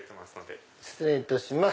失礼いたします。